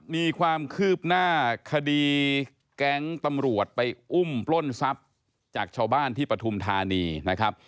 มีความคืบหน้าคดีแก๊งตำรวจไปอุ้มปล้นทรัพย์จากชาวบ้านที่ปฐุมธานีนะครับ